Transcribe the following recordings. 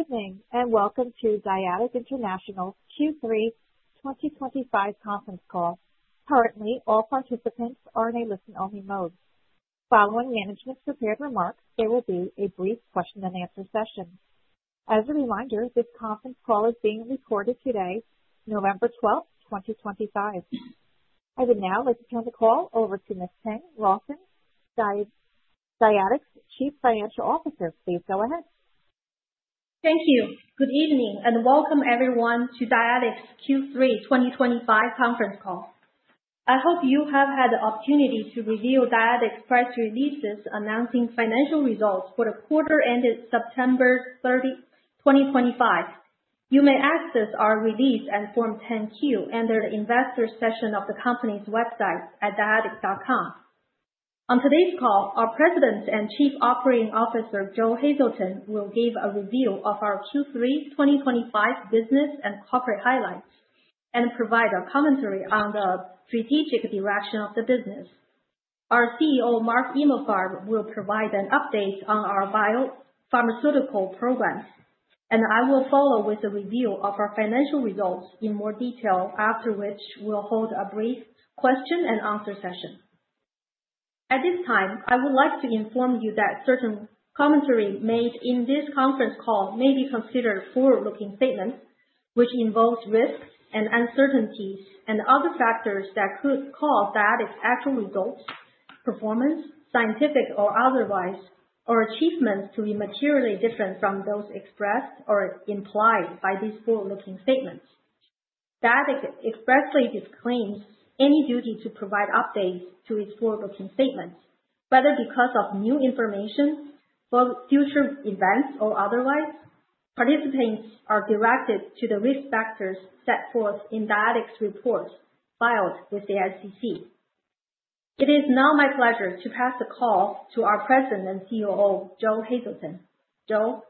Good evening and welcome to Dyadic International Q3 2025 Conference Call. Currently, all participants are in a listen-only mode. Following management's prepared remarks, there will be a brief question-and-answer session. As a reminder, this conference call is being recorded today, November 12th, 2025. I would now like to turn the call over to Ms. Ping Rawson, Dyadic's Chief Financial Officer. Please go ahead. Thank you. Good evening and welcome, everyone, to Dyadic's Q3 2025 conference call. I hope you have had the opportunity to review Dyadic's press releases announcing financial results for the quarter ended September 30th, 2025. You may access our release and Form 10-Q under the investor section of the company's website at dyadic.com. On today's call, our President and Chief Operating Officer, Joe Hazelton, will give a review of our Q3 2025 business and corporate highlights and provide a commentary on the strategic direction of the business. Our CEO, Mark Emalfarb, will provide an update on our bio-pharmaceutical program, and I will follow with a review of our financial results in more detail, after which we'll hold a brief question-and-answer session. At this time, I would like to inform you that certain commentary made in this conference call may be considered forward-looking statements, which involves risks and uncertainty and other factors that could cause Dyadic's actual results, performance, scientific or otherwise, or achievements to be materially different from those expressed or implied by these forward-looking statements. Dyadic expressly disclaims any duty to provide updates to its forward-looking statements, whether because of new information, future events, or otherwise. Participants are directed to the risk factors set forth in Dyadic's reports filed with the SEC. It is now my pleasure to pass the call to our President and COO, Joe Hazelton. Joe.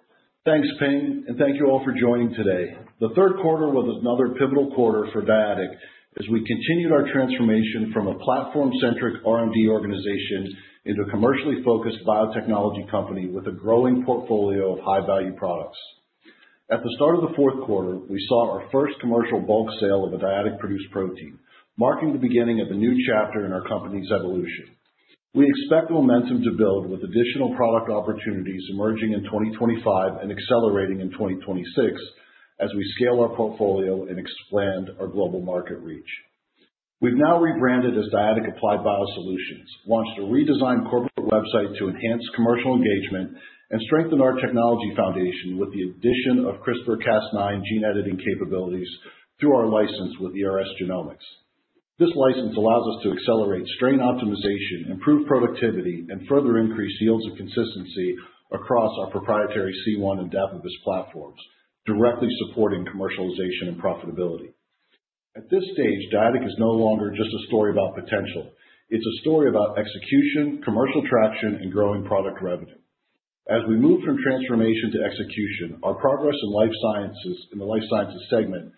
Thanks, Ping, and thank you all for joining today. The Q3 was another pivotal quarter for Dyadic as we continued our transformation from a platform-centric R&D organization into a commercially focused biotechnology company with a growing portfolio of high-value products. At the start of the Q4, we saw our first commercial bulk sale of a Dyadic-produced protein, marking the beginning of a new chapter in our company's evolution. We expect the momentum to build with additional product opportunities emerging in 2025 and accelerating in 2026 as we scale our portfolio and expand our global market reach. We've now rebranded as Dyadic Applied Biosolutions, launched a redesigned corporate website to enhance commercial engagement and strengthen our technology foundation with the addition of CRISPR-Cas9 gene editing capabilities through our license with ERS Genomics. This license allows us to accelerate strain optimization, improve productivity, and further increase yields and consistency across our proprietary C1 and Dapibus platforms, directly supporting commercialization and profitability. At this stage, Dyadic is no longer just a story about potential. It's a story about execution, commercial traction, and growing product revenue. As we move from transformation to execution, our progress in the life sciences segment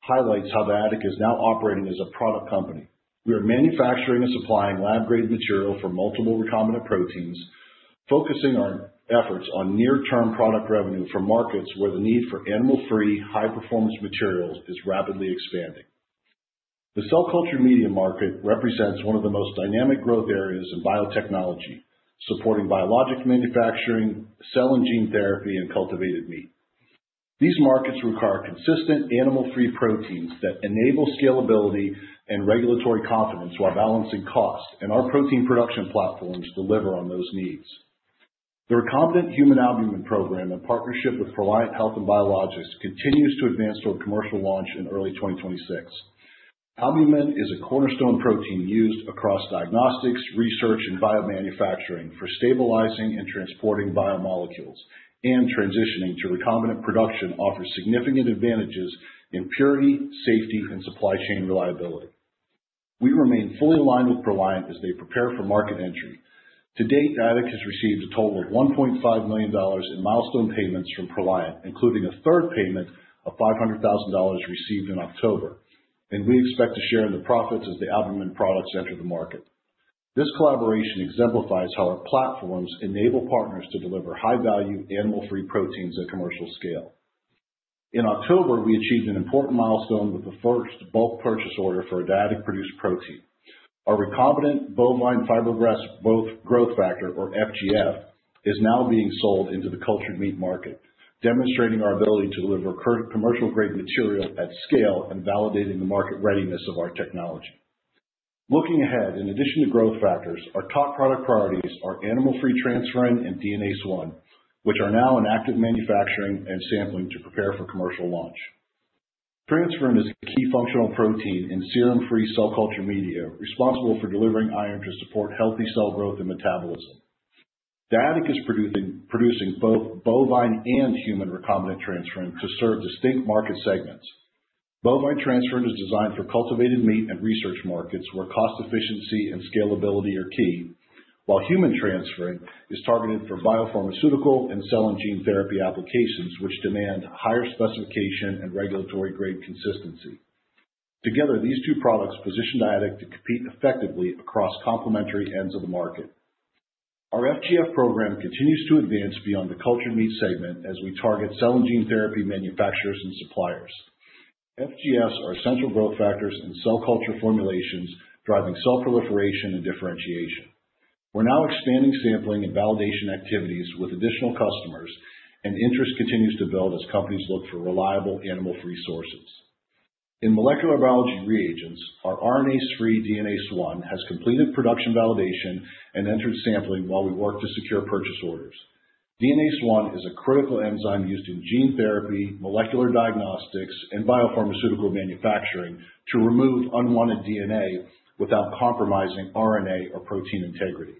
highlights how Dyadic is now operating as a product company. We are manufacturing and supplying lab-grade material for multiple recombinant proteins, focusing our efforts on near-term product revenue for markets where the need for animal-free, high-performance materials is rapidly expanding. The cell culture media market represents one of the most dynamic growth areas in biotechnology, supporting biologic manufacturing, cell and gene therapy, and cultivated meat. These markets require consistent animal-free proteins that enable scalability and regulatory confidence while balancing cost, and our protein production platforms deliver on those needs. The recombinant human albumin program, in partnership with Proliant Health and Biologicals, continues to advance toward commercial launch in early 2026. Albumin is a cornerstone protein used across diagnostics, research, and biomanufacturing for stabilizing and transporting biomolecules, and transitioning to recombinant production offers significant advantages in purity, safety, and supply chain reliability. We remain fully aligned with Proliant as they prepare for market entry. To date, Dyadic has received a total of $1.5 million in milestone payments from Proliant, including a third payment of $500,000 received in October, and we expect to share in the profits as the albumin products enter the market. This collaboration exemplifies how our platforms enable partners to deliver high-value animal-free proteins at commercial scale. In October, we achieved an important milestone with the first bulk purchase order for a Dyadic-produced protein. Our recombinant bovine fibroblast growth factor, or FGF, is now being sold into the cultured meat market, demonstrating our ability to deliver commercial-grade material at scale and validating the market readiness of our technology. Looking ahead, in addition to growth factors, our top product priorities are animal-free transferrin and DNase I, which are now in active manufacturing and sampling to prepare for commercial launch. Transferrin is a key functional protein in serum-free cell culture media responsible for delivering iron to support healthy cell growth and metabolism. Dyadic is producing both bovine and human recombinant transferrin to serve distinct market segments. Bovine transferrin is designed for cultivated meat and research markets where cost efficiency and scalability are key, while human transferrin is targeted for biopharmaceutical and cell and gene therapy applications, which demand higher specification and regulatory-grade consistency. Together, these two products position Dyadic to compete effectively across complementary ends of the market. Our FGF program continues to advance beyond the cultured meat segment as we target cell and gene therapy manufacturers and suppliers. FGFs are essential growth factors in cell culture formulations, driving cell proliferation and differentiation. We're now expanding sampling and validation activities with additional customers, and interest continues to build as companies look for reliable animal-free sources. In molecular biology reagents, our RNase-free DNase I has completed production validation and entered sampling while we work to secure purchase orders. DNase I is a critical enzyme used in gene therapy, molecular diagnostics, and biopharmaceutical manufacturing to remove unwanted DNA without compromising RNA or protein integrity.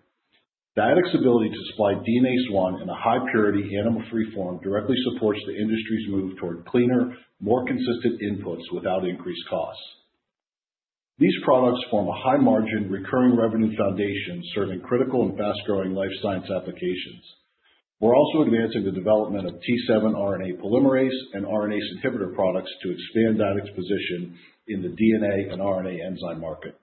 Dyadic's ability to supply DNase I in a high-purity, animal-free form directly supports the industry's move toward cleaner, more consistent inputs without increased costs. These products form a high-margin recurring revenue foundation serving critical and fast-growing life science applications. We're also advancing the development of T7 RNA polymerase and RNase inhibitor products to expand Dyadic's position in the DNA and RNA enzyme market.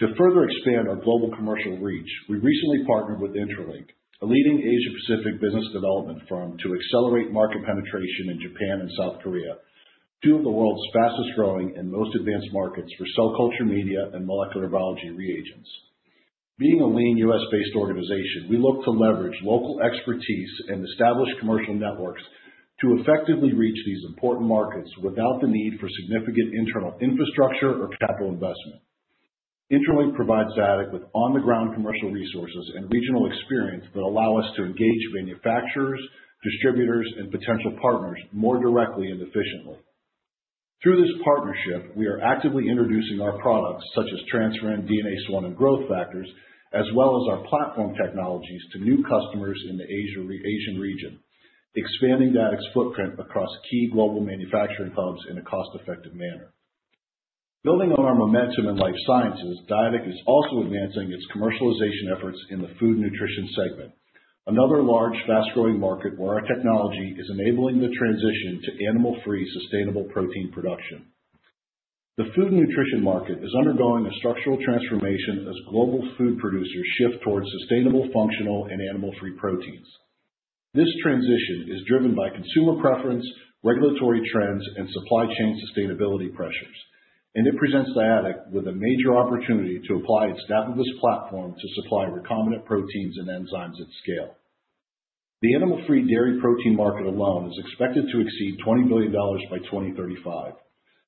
To further expand our global commercial reach, we recently partnered with Intralink, a leading Asia-Pacific business development firm, to accelerate market penetration in Japan and South Korea, two of the world's fastest-growing and most advanced markets for cell culture media and molecular biology reagents. Being a lean U.S.-based organization, we look to leverage local expertise and established commercial networks to effectively reach these important markets without the need for significant internal infrastructure or capital investment. Intralink provides Dyadic with on-the-ground commercial resources and regional experience that allow us to engage manufacturers, distributors, and potential partners more directly and efficiently. Through this partnership, we are actively introducing our products, such as transferrin, DNase I, and growth factors, as well as our platform technologies to new customers in the Asian region, expanding Dyadic's footprint across key global manufacturing hubs in a cost-effective manner. Building on our momentum in life sciences, Dyadic is also advancing its commercialization efforts in the food nutrition segment, another large, fast-growing market where our technology is enabling the transition to animal-free, sustainable protein production. The food nutrition market is undergoing a structural transformation as global food producers shift toward sustainable, functional, and animal-free proteins. This transition is driven by consumer preference, regulatory trends, and supply chain sustainability pressures, and it presents Dyadic with a major opportunity to apply its Dapibus platform to supply recombinant proteins and enzymes at scale. The animal-free dairy protein market alone is expected to exceed $20 billion by 2035,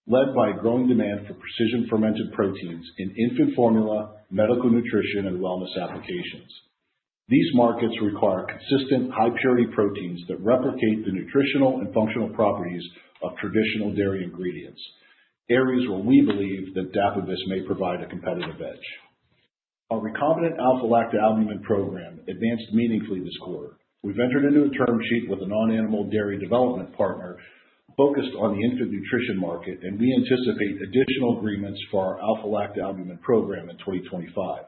led by growing demand for precision-fermented proteins in infant formula, medical nutrition, and wellness applications. These markets require consistent, high-purity proteins that replicate the nutritional and functional properties of traditional dairy ingredients, areas where we believe that Dapibus may provide a competitive edge. Our recombinant alpha-lactalbumin program advanced meaningfully this quarter. We've entered a new term sheet with a non-animal dairy development partner focused on the infant nutrition market, and we anticipate additional agreements for our alpha-lactalbumin program in 2025.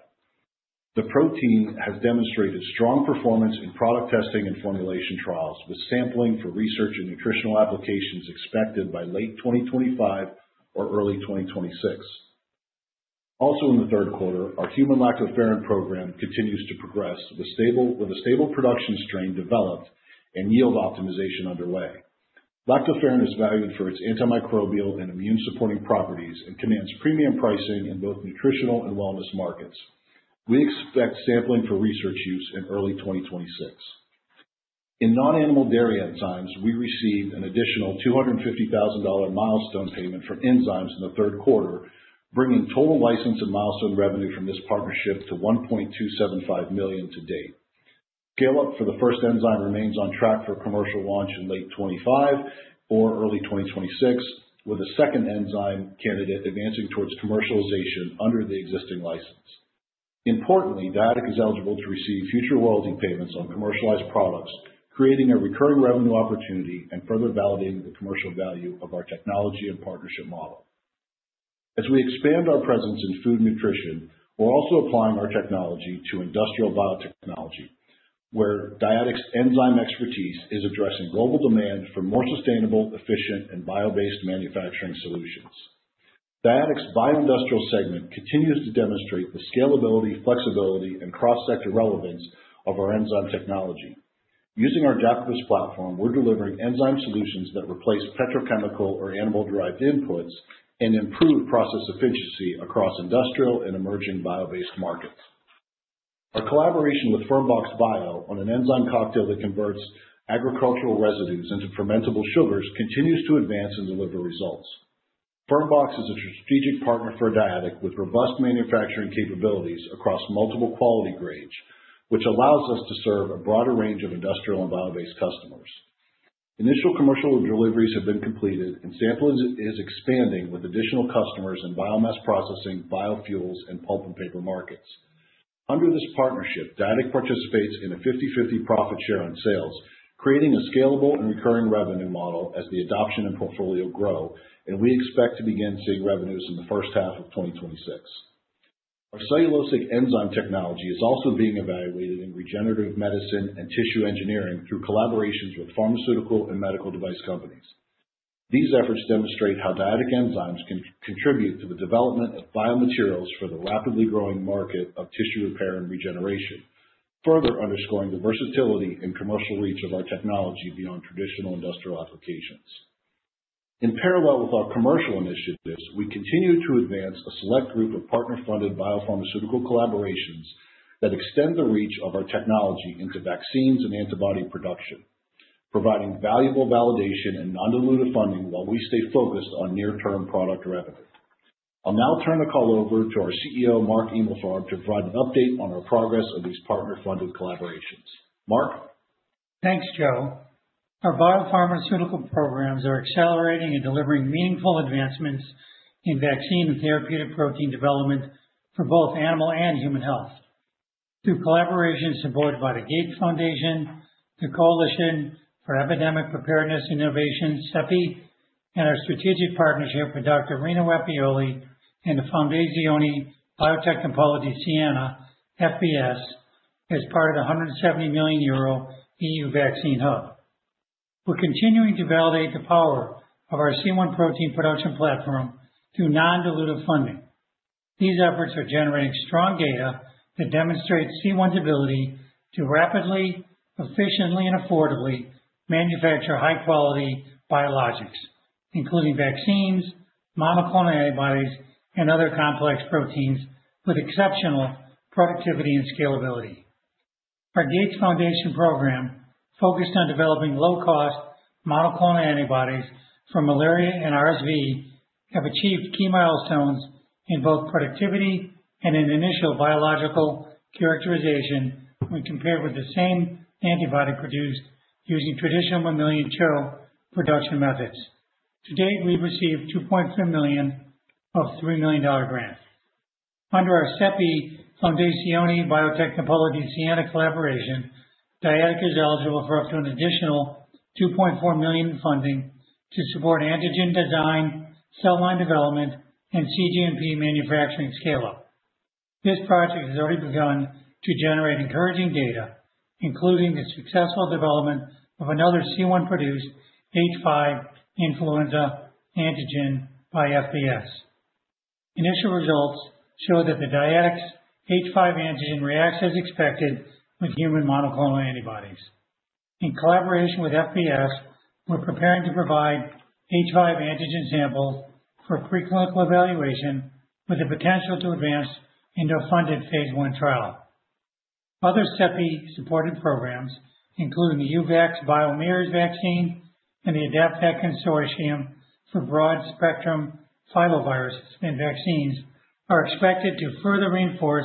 The protein has demonstrated strong performance in product testing and formulation trials, with sampling for research and nutritional applications expected by late 2025 or early 2026. Also, in the Q3, our human lactoferrin program continues to progress with a stable production strain developed and yield optimization underway. Lactoferrin is valued for its antimicrobial and immune-supporting properties and commands premium pricing in both nutritional and wellness markets. We expect sampling for research use in early 2026. In non-animal dairy enzymes, we received an additional $250,000 milestone payment from Enzymes in the Q3, bringing total license and milestone revenue from this partnership to $1.275 million to date. Scale-up for the first enzyme remains on track for commercial launch in late 2025 or early 2026, with a second enzyme candidate advancing towards commercialization under the existing license. Importantly, Dyadic is eligible to receive future royalty payments on commercialized products, creating a recurring revenue opportunity and further validating the commercial value of our technology and partnership model. As we expand our presence in food nutrition, we're also applying our technology to industrial biotechnology, where Dyadic's enzyme expertise is addressing global demand for more sustainable, efficient, and bio-based manufacturing solutions. Dyadic's bio-industrial segment continues to demonstrate the scalability, flexibility, and cross-sector relevance of our enzyme technology. Using our Dapibus platform, we're delivering enzyme solutions that replace petrochemical or animal-derived inputs and improve process efficiency across industrial and emerging bio-based markets. Our collaboration with Fermbox Bio on an enzyme cocktail that converts agricultural residues into fermentable sugars continues to advance and deliver results. Fermbox is a strategic partner for Dyadic with robust manufacturing capabilities across multiple quality grades, which allows us to serve a broader range of industrial and bio-based customers. Initial commercial deliveries have been completed, and sampling is expanding with additional customers in biomass processing, biofuels, and pulp and paper markets. Under this partnership, Dyadic participates in a 50/50 profit share on sales, creating a scalable and recurring revenue model as the adoption and portfolio grow, and we expect to begin seeing revenues in the first half of 2026. Our cellulosic enzyme technology is also being evaluated in regenerative medicine and tissue engineering through collaborations with pharmaceutical and medical device companies. These efforts demonstrate how Dyadic enzymes can contribute to the development of biomaterials for the rapidly growing market of tissue repair and regeneration, further underscoring the versatility and commercial reach of our technology beyond traditional industrial applications. In parallel with our commercial initiatives, we continue to advance a select group of partner-funded biopharmaceutical collaborations that extend the reach of our technology into vaccines and antibody production, providing valuable validation and non-dilutive funding while we stay focused on near-term product revenue. I'll now turn the call over to our CEO, Mark Emalfarb, to provide an update on our progress of these partner-funded collaborations. Mark? Thanks, Joe. Our biopharmaceutical programs are accelerating and delivering meaningful advancements in vaccine and therapeutic protein development for both animal and human health through collaborations supported by the Gates Foundation, the Coalition for Epidemic Preparedness and Innovations, CEPI, and our strategic partnership with Dr. Rino Rappuoli and the Fondazione Biotecnopolo di Siena, FBS, as part of the 170 million euro EU vaccine hub. We're continuing to validate the power of our C1 protein production platform through non-dilutive funding. These efforts are generating strong data that demonstrate C1's ability to rapidly, efficiently, and affordably manufacture high-quality biologics, including vaccines, monoclonal antibodies, and other complex proteins with exceptional productivity and scalability. Our Gates Foundation program, focused on developing low-cost monoclonal antibodies for malaria and RSV, has achieved key milestones in both productivity and initial biological characterization when compared with the same antibody produced using traditional mammalian cell production methods. To date, we've received $2.5 million of $3 million in grants. Under our CEPI-Fondazione Biotecnopolo di Siena collaboration, Dyadic is eligible for up to an additional $2.4 million in funding to support antigen design, cell line development, and cGMP manufacturing scale-up. This project has already begun to generate encouraging data, including the successful development of another C1-produced H5 influenza antigen by FBS. Initial results show that Dyadic's H5 antigen reacts as expected with human monoclonal antibodies. In collaboration with FBS, we're preparing to provide H5 antigen samples for preclinical evaluation with the potential to advance into a funded phase one trial. Other CEPI-supported programs, including the Uvax Bio MERS vaccine and the AdaptVac consortium for broad-spectrum filovirus vaccines, are expected to further reinforce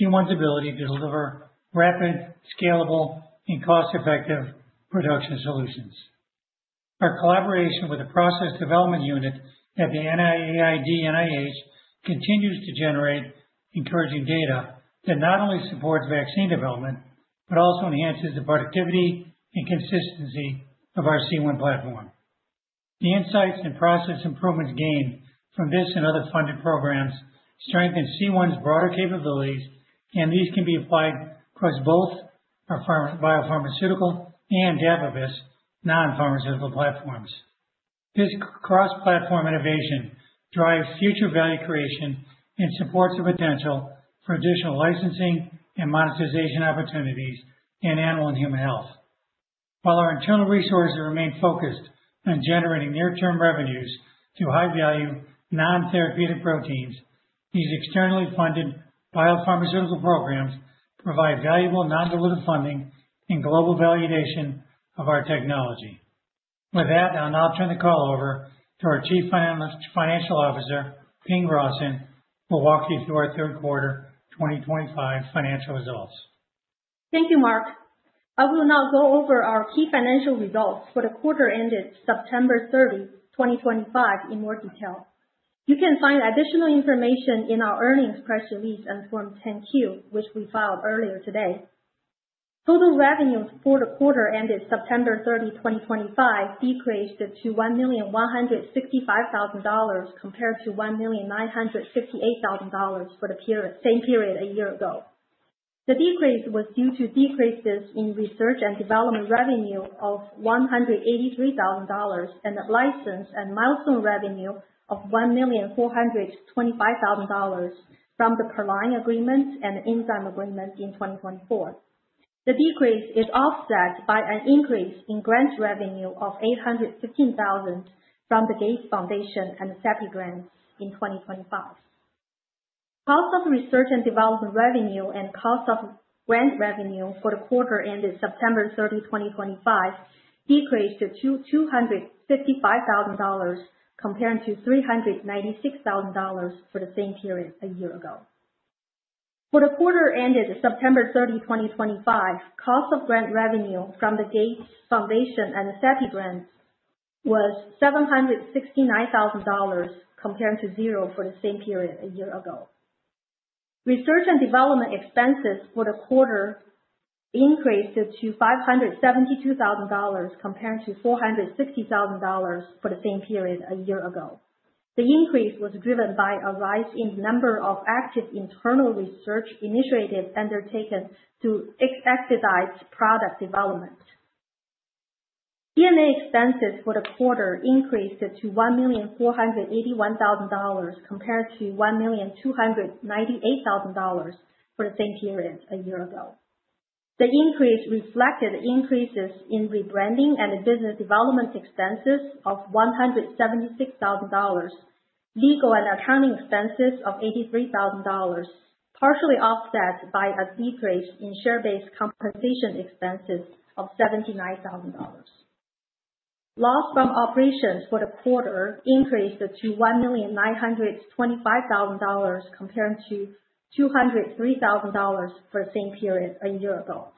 C1's ability to deliver rapid, scalable, and cost-effective production solutions. Our collaboration with the process development unit at the NIAID/NIH continues to generate encouraging data that not only supports vaccine development but also enhances the productivity and consistency of our C1 platform. The insights and process improvements gained from this and other funded programs strengthen C1's broader capabilities, and these can be applied across both our biopharmaceutical and Dapibus non-pharmaceutical platforms. This cross-platform innovation drives future value creation and supports the potential for additional licensing and monetization opportunities in animal and human health. While our internal resources remain focused on generating near-term revenues through high-value non-therapeutic proteins, these externally funded biopharmaceutical programs provide valuable non-dilutive funding and global validation of our technology. With that, I'll now turn the call over to our Chief Financial Officer, Ping Rawson, who will walk you through our Q3 2025 financial results. Thank you, Mark. I will now go over our key financial results for the quarter ended September 30, 2025, in more detail. You can find additional information in our earnings press release and Form 10-Q, which we filed earlier today. Total revenues for the quarter ended September 30, 2025, decreased to $1,165,000 compared to $1,968,000 for the same period a year ago. The decrease was due to decreases in research and development revenue of $183,000 and the license and milestone revenue of $1,425,000 from the Proliant Agreement and Enzyme Agreement in 2024. The decrease is offset by an increase in grant revenue of $815,000 from the Gates Foundation and the CEPI grant in 2025. Cost of research and development revenue and cost of grant revenue for the quarter ended September 30, 2025, decreased to $255,000 compared to $396,000 for the same period a year ago. For the quarter ended September 30, 2025, the cost of grant revenue from the Gates Foundation and the CEPI grant was $769,000 compared to zero for the same period a year ago. Research and development expenses for the quarter increased to $572,000 compared to $460,000 for the same period a year ago. The increase was driven by a rise in the number of active internal research initiatives undertaken to expedite product development. G&A expenses for the quarter increased to $1,481,000 compared to $1,298,000 for the same period a year ago. The increase reflected increases in rebranding and business development expenses of $176,000, legal and accounting expenses of $83,000, partially offset by a decrease in share-based compensation expenses of $79,000. Loss from operations for the quarter increased to $1,925,000 compared to $203,000 for the same period a year ago.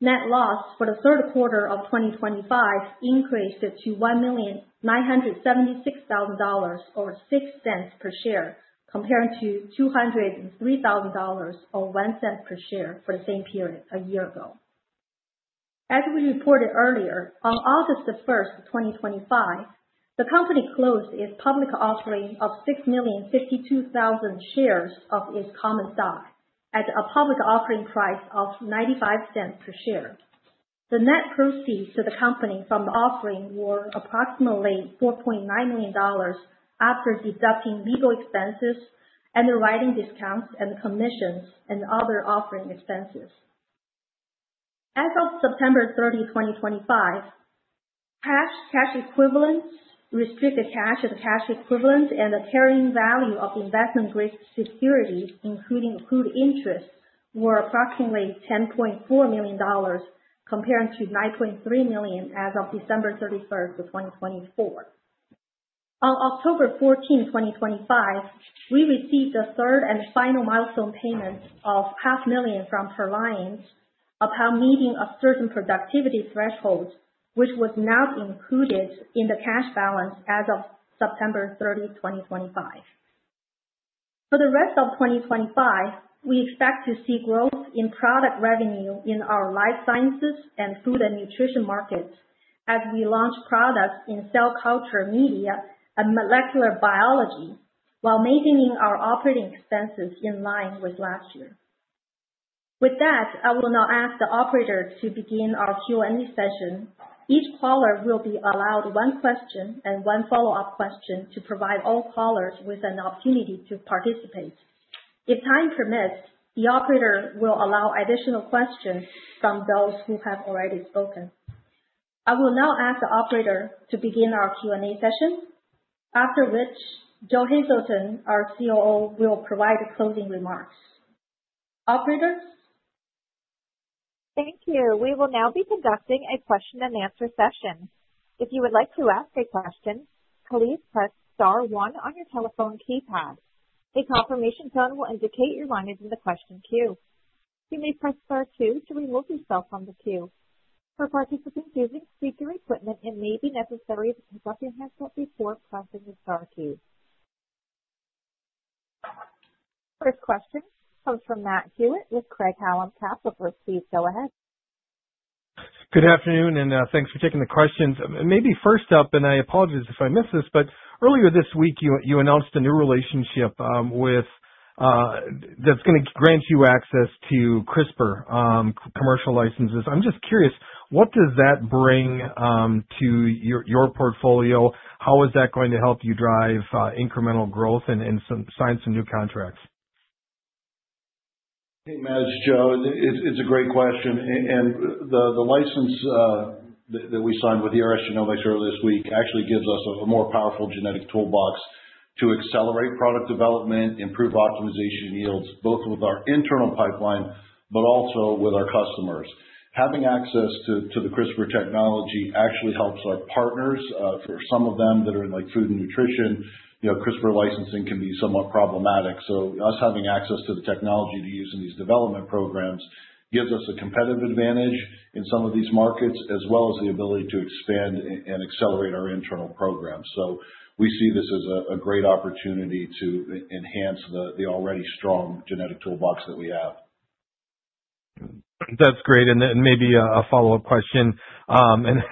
Net loss for the Q3 of 2025 increased to $1,976,000, or $0.06 per share, compared to $203,000, or $0.01 per share, for the same period a year ago. As we reported earlier, on August 1, 2025, the company closed its public offering of 6,052,000 shares of its common stock at a public offering price of $0.95 per share. The net proceeds to the company from the offering were approximately $4.9 million after deducting legal expenses, underwriting discounts, commissions, and other offering expenses. As of September 30, 2025, cash equivalents, restricted cash as cash equivalent, and the carrying value of investment grade securities, including accrued interest, were approximately $10.4 million compared to $9.3 million as of December 31, 2024. On October 14, 2025, we received the third and final milestone payments of $0.5 million from Proliant upon meeting a certain productivity threshold, which was now included in the cash balance as of September 30, 2025. For the rest of 2025, we expect to see growth in product revenue in our life sciences and food and nutrition markets as we launch products in cell culture media and molecular biology while maintaining our operating expenses in line with last year. With that, I will now ask the operator to begin our Q&A session. Each caller will be allowed one question and one follow-up question to provide all callers with an opportunity to participate. If time permits, the operator will allow additional questions from those who have already spoken. I will now ask the operator to begin our Q&A session, after which Joe Hazelton, our COO, will provide closing remarks. Operator? Thank you. We will now be conducting a question-and-answer session. If you would like to ask a question, please press Star 1 on your telephone keypad. A confirmation tone will indicate your line is in the question queue. You may press star 2 to remove yourself from the queue. For participants using speaker equipment, it may be necessary to take off your headset before pressing the star key. First question comes from Matt Hewitt with Craig-Hallum Capital Group. Please go ahead. Good afternoon, and thanks for taking the questions. Maybe first up, and I apologize if I missed this, but earlier this week, you announced a new relationship that's going to grant you access to CRISPR commercial licenses. I'm just curious, what does that bring to your portfolio? How is that going to help you drive incremental growth and sign some new contracts? Hey, Matt. It's Joe. It's a great question. And the license that we signed with the ERS Genomics earlier this week actually gives us a more powerful genetic toolbox to accelerate product development, improve optimization yields, both with our internal pipeline but also with our customers. Having access to the CRISPR technology actually helps our partners. For some of them that are in food and nutrition, CRISPR licensing can be somewhat problematic. So us having access to the technology to use in these development programs gives us a competitive advantage in some of these markets, as well as the ability to expand and accelerate our internal programs. So we see this as a great opportunity to enhance the already strong genetic toolbox that we have. That's great. And maybe a follow-up question. And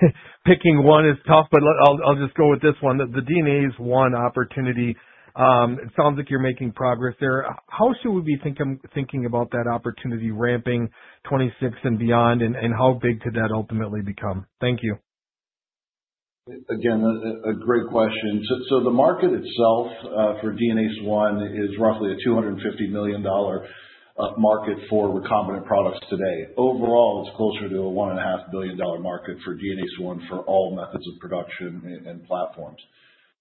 picking one is tough, but I'll just go with this one. The DNase is one opportunity. It sounds like you're making progress there. How should we be thinking about that opportunity ramping 2026 and beyond, and how big could that ultimately become? Thank you. Again, a great question. So the market itself for DNase I is roughly a $250 million market for recombinant products today. Overall, it's closer to a $1.5 billion market for DNase I for all methods of production and platforms.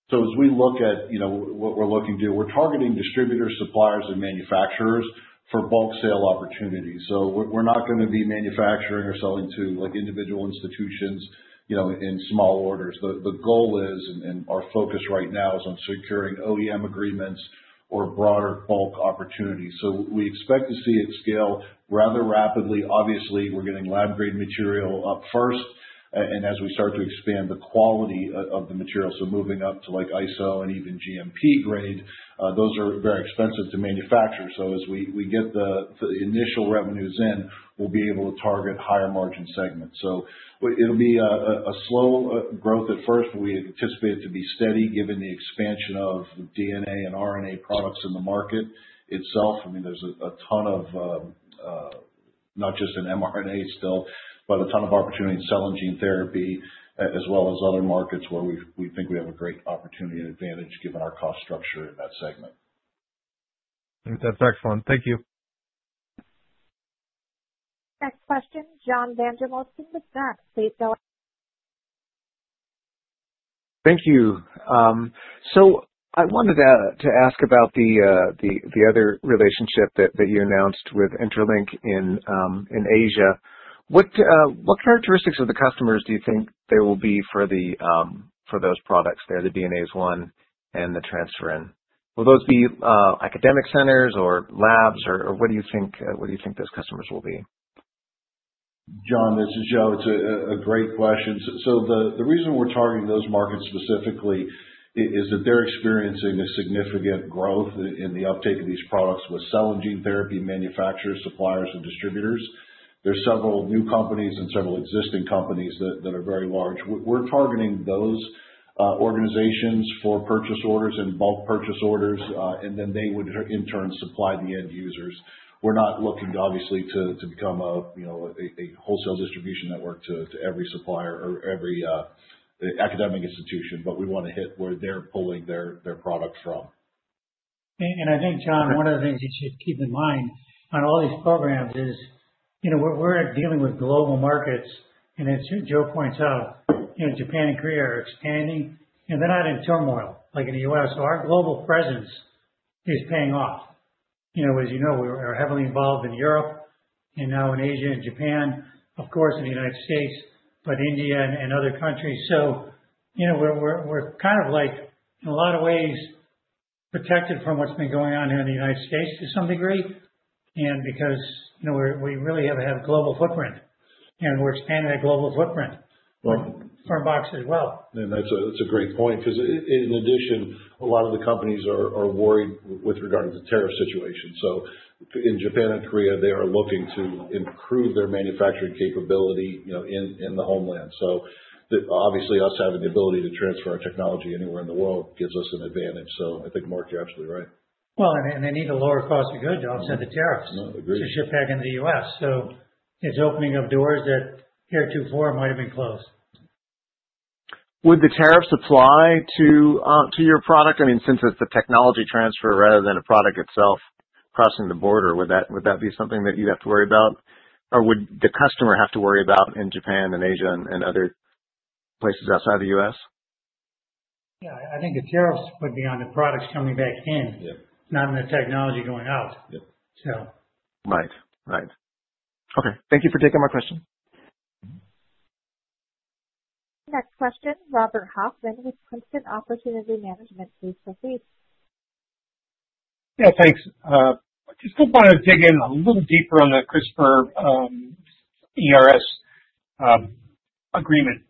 So as we look at what we're looking to do, we're targeting distributors, suppliers, and manufacturers for bulk sale opportunities. So we're not going to be manufacturing or selling to individual institutions in small orders. The goal is, and our focus right now is on securing OEM agreements or broader bulk opportunities. So we expect to see it scale rather rapidly. Obviously, we're getting lab-grade material up first. As we start to expand the quality of the material, so moving up to ISO and even GMP grade, those are very expensive to manufacture. So as we get the initial revenues in, we'll be able to target higher margin segments. So it'll be a slow growth at first. We anticipate it to be steady given the expansion of DNA and RNA products in the market itself. I mean, there's a ton of not just in mRNA still, but a ton of opportunity in cell and gene therapy, as well as other markets where we think we have a great opportunity and advantage given our cost structure in that segment. That's excellent. Thank you. Next question, John Vandermosten with Zacks. Please go ahead. Thank you. So I wanted to ask about the other relationship that you announced with Intralink in Asia. What characteristics of the customers do you think there will be for those products there, the DNase 1 and the transferrin? Will those be academic centers or labs, or what do you think those customers will be? John, this is Joe. It's a great question. So the reason we're targeting those markets specifically is that they're experiencing a significant growth in the uptake of these products with cell and gene therapy manufacturers, suppliers, and distributors. There's several new companies and several existing companies that are very large. We're targeting those organizations for purchase orders and bulk purchase orders, and then they would in turn supply the end users. We're not looking to, obviously, to become a wholesale distribution network to every supplier or every academic institution, but we want to hit where they're pulling their product from. I think, John, one of the things you should keep in mind on all these programs is we're dealing with global markets. As Joe points out, Japan and Korea are expanding, and they're not in turmoil like in the U.S. Our global presence is paying off. As you know, we are heavily involved in Europe and now in Asia and Japan, of course, in the United States, but India and other countries. We're kind of, in a lot of ways, protected from what's been going on here in the United States to some degree because we really have a global footprint, and we're expanding that global Fermbox as well. That's a great point because, in addition, a lot of the companies are worried with regard to the tariff situation. So in Japan and Korea, they are looking to improve their manufacturing capability in the homeland. So obviously, us having the ability to transfer our technology anywhere in the world gives us an advantage. So I think, Mark, you're absolutely right. Well, and they need a lower cost of goods offset the tariffs to ship back into the US. So it's opening up doors that heretofore might have been closed. Would the tariffs apply to your product? I mean, since it's the technology transfer rather than a product itself crossing the border, would that be something that you'd have to worry about? Or would the customer have to worry about in Japan and Asia and other places outside the US? Yeah. I think the tariffs would be on the products coming back in, not on the technology going out, so. Right. Right. Okay. Thank you for taking my question. Next question, Robert Hoffman with Princeton Opportunity Management, please proceed. Yeah. Thanks. I just want to dig in a little deeper on the CRISPR ERS agreement.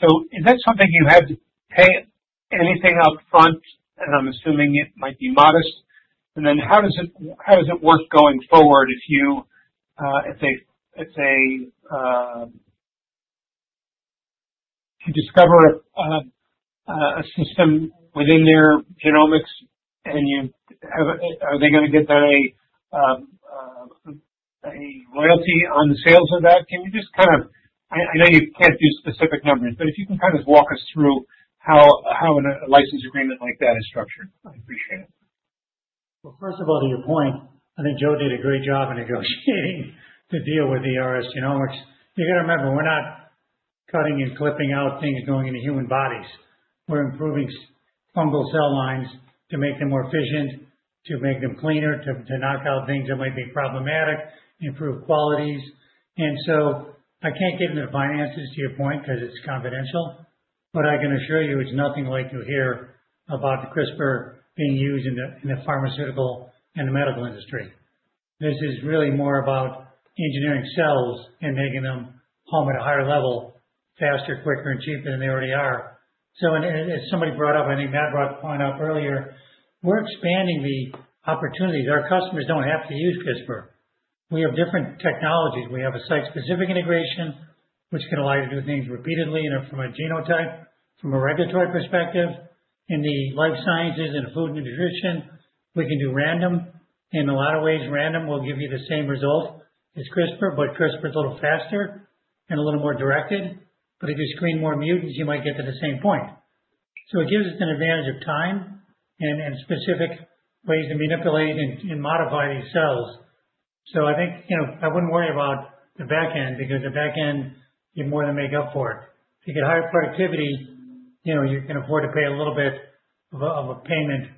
So is that something you have to pay anything upfront? And I'm assuming it might be modest. And then how does it work going forward if they discover a system within their genomics? And are they going to get a royalty on the sales of that? Can you just kind of, I know you can't do specific numbers, but if you can kind of walk us through how a license agreement like that is structured, I appreciate it. Well, first of all, to your point, I think Joe did a great job in negotiating to deal with the ERS Genomics. You got to remember, we're not cutting and clipping out things going into human bodies. We're improving fungal cell lines to make them more efficient, to make them cleaner, to knock out things that might be problematic, improve qualities. And so I can't get into the finances to your point because it's confidential, but I can assure you it's nothing like you'll hear about the CRISPR being used in the pharmaceutical and the medical industry. This is really more about engineering cells and making them hum at a higher level, faster, quicker, and cheaper than they already are. So as somebody brought up, I think Matt brought the point up earlier, we're expanding the opportunities. Our customers don't have to use CRISPR. We have different technologies. We have a site-specific integration, which can allow you to do things repeatedly from a genotype, from a regulatory perspective. In the life sciences and food and nutrition, we can do random. In a lot of ways, random will give you the same result as CRISPR, but CRISPR is a little faster and a little more directed. But if you screen more mutants, you might get to the same point. So it gives us an advantage of time and specific ways to manipulate and modify these cells. So I think I wouldn't worry about the back end because the back end, you more than make up for it. If you get higher productivity, you can afford to pay a little bit of a payment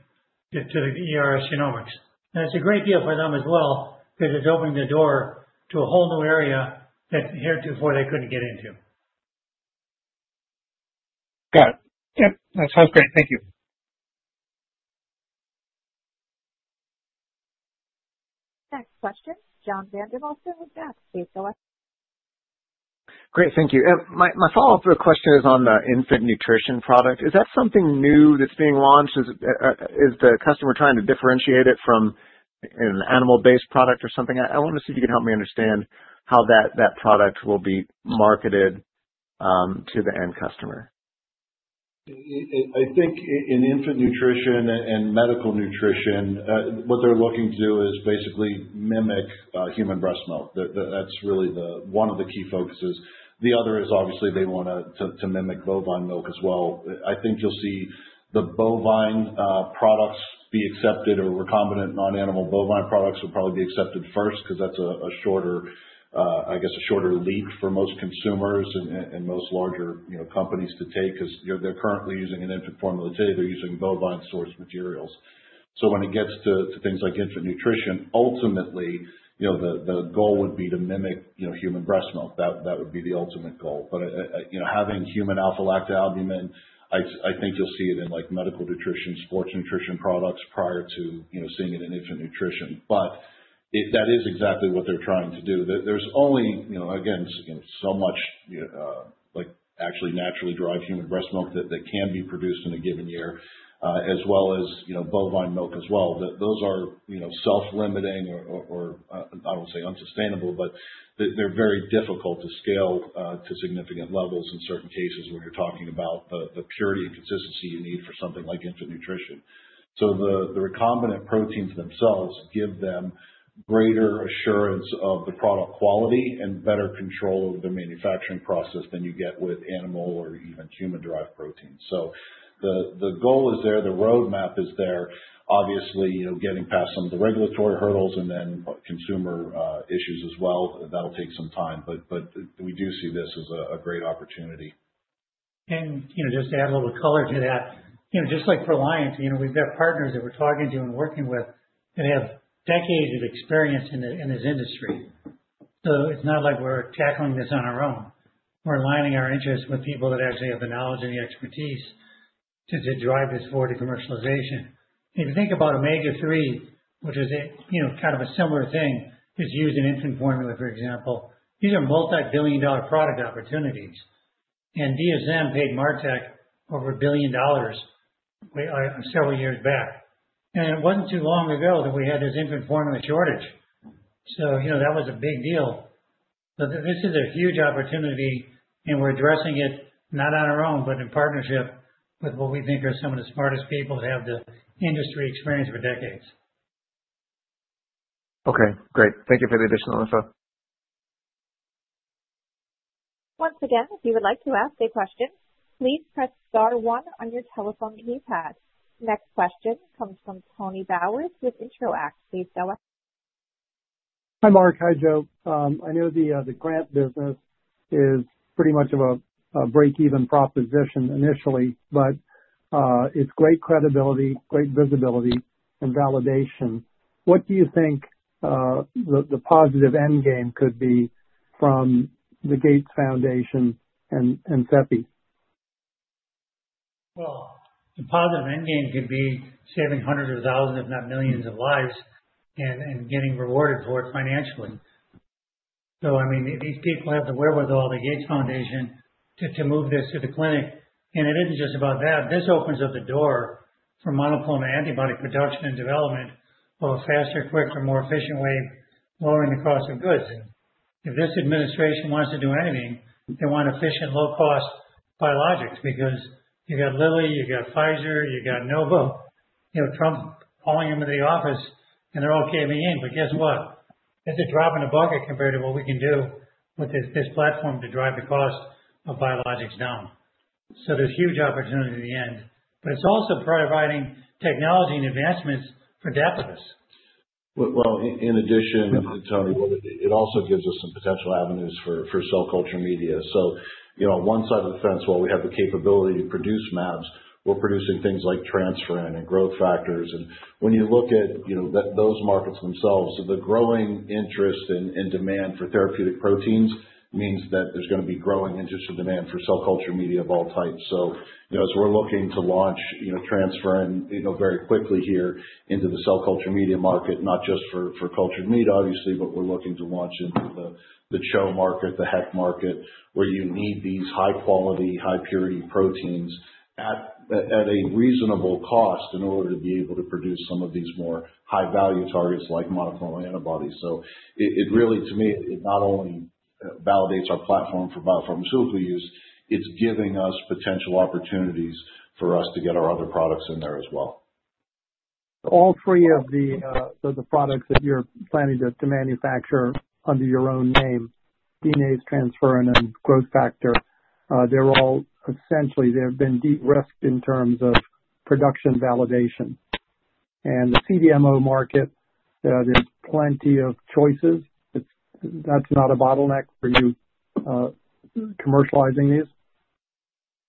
to the ERS Genomics. And it's a great deal for them as well because it's opening the door to a whole new area that heretofore they couldn't get into. Got it. Yep. That sounds great. Thank you. Next question, John Vandermosten with Zacks. Please go ahead. Great. Thank you. My follow-up question is on the infant nutrition product. Is that something new that's being launched? Is the customer trying to differentiate it from an animal-based product or something? I want to see if you can help me understand how that product will be marketed to the end customer. I think in infant nutrition and medical nutrition, what they're looking to do is basically mimic human breast milk. That's really one of the key focuses. The other is obviously they want to mimic bovine milk as well. I think you'll see the bovine products be accepted or recombinant non-animal bovine products will probably be accepted first because that's a shorter, I guess, a shorter leap for most consumers and most larger companies to take because they're currently using an infant formula today. They're using bovine-sourced materials. So when it gets to things like infant nutrition, ultimately, the goal would be to mimic human breast milk. That would be the ultimate goal. But having human alpha-lactalbumin, I think you'll see it in medical nutrition, sports nutrition products prior to seeing it in infant nutrition. But that is exactly what they're trying to do. There's only, again, so much actually naturally derived human breast milk that can be produced in a given year, as well as bovine milk as well. Those are self-limiting or, I don't want to say unsustainable, but they're very difficult to scale to significant levels in certain cases when you're talking about the purity and consistency you need for something like infant nutrition. So the recombinant proteins themselves give them greater assurance of the product quality and better control over the manufacturing process than you get with animal or even human-derived proteins. So the goal is there. The roadmap is there. Obviously, getting past some of the regulatory hurdles and then consumer issues as well, that'll take some time. But we do see this as a great opportunity. And just to add a little color to that, just like Proliant, we've got partners that we're talking to and working with that have decades of experience in this industry. So it's not like we're tackling this on our own. We're aligning our interests with people that actually have the knowledge and the expertise to drive this forward to commercialization. If you think about Omega-3, which is kind of a similar thing, is used in infant formula, for example, these are multi-billion dollar product opportunities. And DSM paid Martek over $1 billion several years back. And it wasn't too long ago that we had this infant formula shortage. So that was a big deal. But this is a huge opportunity, and we're addressing it not on our own, but in partnership with what we think are some of the smartest people that have the industry experience for decades. Okay. Great. Thank you for the additional info. Once again, if you would like to ask a question, please press star one on your telephone keypad. Next question comes from Tony Bowers with Intro-act. Please go ahead. Hi, Mark. Hi, Joe. I know the grant business is pretty much of a break-even proposition initially, but it's great credibility, great visibility, and validation. What do you think the positive end game could be from the Gates Foundation and CEPI? Well, the positive end game could be saving hundreds of thousands, if not millions, of lives and getting rewarded for it financially. I mean, these people have to work with the Gates Foundation to move this to the clinic, and it isn't just about that. This opens up the door for monoclonal antibody production and development of a faster, quicker, more efficient way of lowering the cost of goods. If this administration wants to do anything, they want efficient, low-cost biologics because you got Lilly, you got Pfizer, you got Novo. Trump calling them into the office, and they're all caving in, but guess what? That's a drop in the bucket compared to what we can do with this platform to drive the cost of biologics down, so there's huge opportunity at the end, but it's also providing technology and advancements for Dapibus. Well, in addition, it also gives us some potential avenues for cell culture media. So one side of the fence, while we have the capability to produce mAbs, we're producing things like transferrin and growth factors. And when you look at those markets themselves, the growing interest and demand for therapeutic proteins means that there's going to be growing interest and demand for cell culture media of all types. So as we're looking to launch transferrin very quickly here into the cell culture media market, not just for cultured meat, obviously, but we're looking to launch into the CHO market, the HEK market, where you need these high-quality, high-purity proteins at a reasonable cost in order to be able to produce some of these more high-value targets like monoclonal antibodies. So it really, to me, not only validates our platform for biopharmaceutical use, it's giving us potential opportunities for us to get our other products in there as well. All three of the products that you're planning to manufacture under your own name, DNase transferrin and growth factor, they're all essentially, they've been de-risked in terms of production validation, and the CDMO market, there's plenty of choices. That's not a bottleneck for you commercializing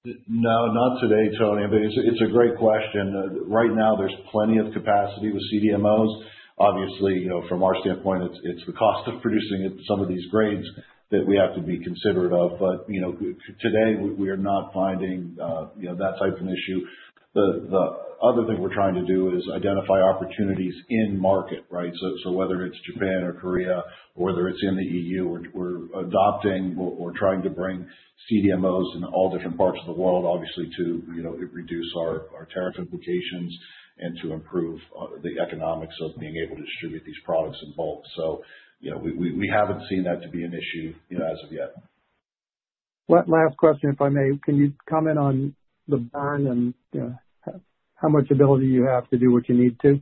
these? No, not today, Tony, but it's a great question. Right now, there's plenty of capacity with CDMOs. Obviously, from our standpoint, it's the cost of producing some of these grades that we have to be considerate of, but today, we are not finding that type of an issue. The other thing we're trying to do is identify opportunities in market, right? So whether it's Japan or Korea or whether it's in the EU, we're adopting or trying to bring CDMOs in all different parts of the world, obviously, to reduce our tariff implications and to improve the economics of being able to distribute these products in bulk. So we haven't seen that to be an issue as of yet. Last question, if I may. Can you comment on the bond and how much ability you have to do what you need to?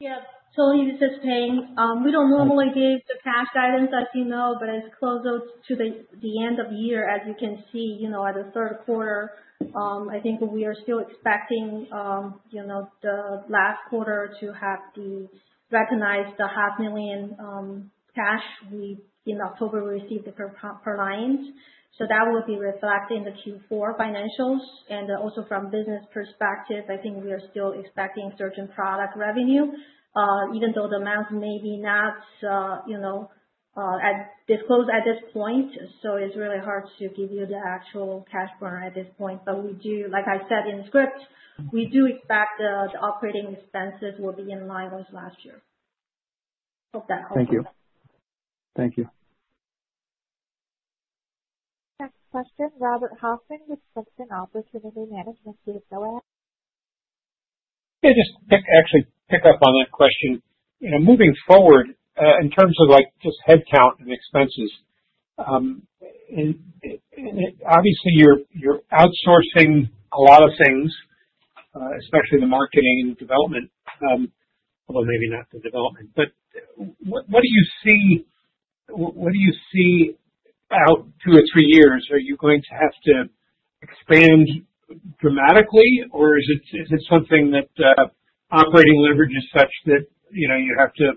Yeah. Totally anticipating. We don't normally give the cash guidance, as you know, but as close to the end of the year, as you can see at the Q3, I think we are still expecting the last quarter to have recognized the $500,000 cash. In October, we received the Proliant. So that will be reflected in the Q4 financials. And also from a business perspective, I think we are still expecting certain product revenue, even though the amounts may be not as disclosed at this point. So it's really hard to give you the actual cash burn at this point. But we do, like I said in script, we do expect the operating expenses will be in line with last year. Hope that helps. Thank you. Thank you. Next question, Robert Hoffman with Princeton Opportunity Management, please go ahead. Yeah. Just actually pick up on that question. Moving forward, in terms of just headcount and expenses, obviously, you're outsourcing a lot of things, especially the marketing and development, although maybe not the development. But what do you see? What do you see out two or three years? Are you going to have to expand dramatically, or is it something that operating leverage is such that you have to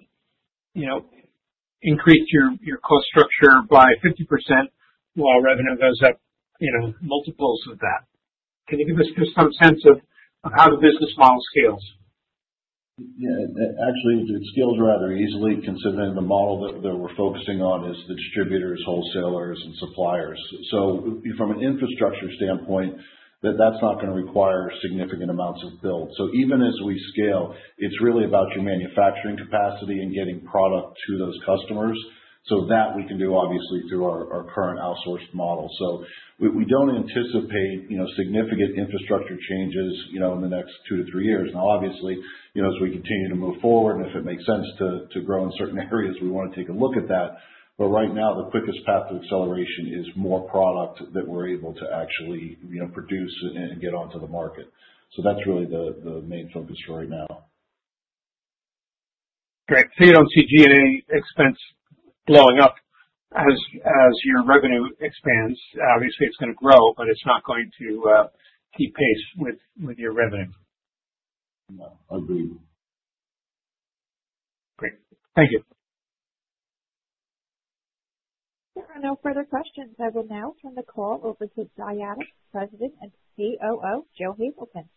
increase your cost structure by 50% while revenue goes up multiples of that? Can you give us just some sense of how the business model scales? Yeah. Actually, it scales rather easily considering the model that we're focusing on is the distributors, wholesalers, and suppliers. So from an infrastructure standpoint, that's not going to require significant amounts of build. So even as we scale, it's really about your manufacturing capacity and getting product to those customers. So that we can do, obviously, through our current outsourced model. So we don't anticipate significant infrastructure changes in the next two to three years. Now, obviously, as we continue to move forward, and if it makes sense to grow in certain areas, we want to take a look at that. But right now, the quickest path to acceleration is more product that we're able to actually produce and get onto the market. So that's really the main focus for right now. Great. So you don't see G&A expense blowing up as your revenue expands. Obviously, it's going to grow, but it's not going to keep pace with your revenue. No. I agree. Great. Thank you. There are no further questions. I will now turn the call over to Dyadic's President and COO, Joe Hazelton.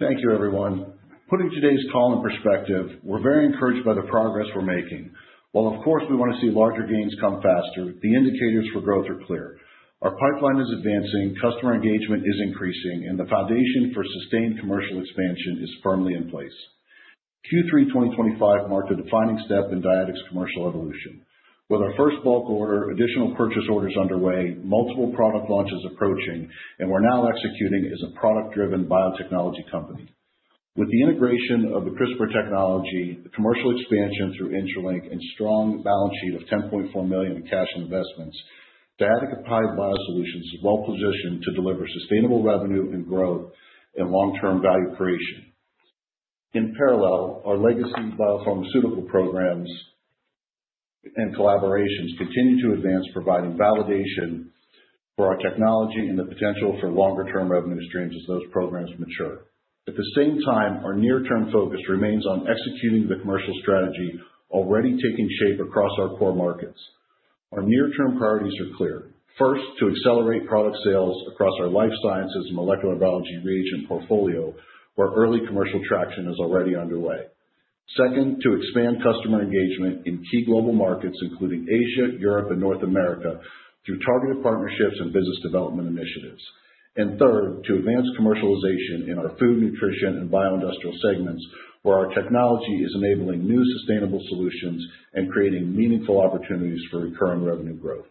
Thank you, everyone. Putting today's call in perspective, we're very encouraged by the progress we're making. While, of course, we want to see larger gains come faster, the indicators for growth are clear. Our pipeline is advancing, customer engagement is increasing, and the foundation for sustained commercial expansion is firmly in place. Q3 2025 marked a defining step in Dyadic's commercial evolution. With our first bulk order, additional purchase orders underway, multiple product launches approaching, and we're now executing as a product-driven biotechnology company. With the integration of the CRISPR technology, the commercial expansion through Intralink, and strong balance sheet of $10.4 million in cash investments, Dyadic Applied Biosolutions is well-positioned to deliver sustainable revenue and growth and long-term value creation. In parallel, our legacy biopharmaceutical programs and collaborations continue to advance, providing validation for our technology and the potential for longer-term revenue streams as those programs mature. At the same time, our near-term focus remains on executing the commercial strategy already taking shape across our core markets. Our near-term priorities are clear. First, to accelerate product sales across our life sciences and molecular biology reagents portfolio, where early commercial traction is already underway. Second, to expand customer engagement in key global markets, including Asia, Europe, and North America, through targeted partnerships and business development initiatives. And third, to advance commercialization in our food, nutrition, and bioindustrial segments, where our technology is enabling new sustainable solutions and creating meaningful opportunities for recurring revenue growth.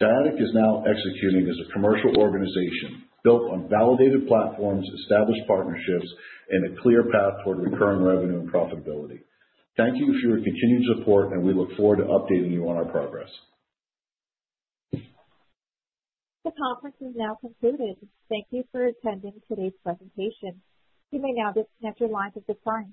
Dyadic is now executing as a commercial organization built on validated platforms, established partnerships, and a clear path toward recurring revenue and profitability. Thank you for your continued support, and we look forward to updating you on our progress. The conference is now concluded. Thank you for attending today's presentation. You may now disconnect your lines at this time.